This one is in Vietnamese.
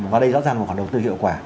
và đây rõ ràng là một khoản đầu tư hiệu quả